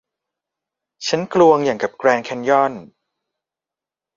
ฉันกลวงอย่างกับแกรนด์แคนยอน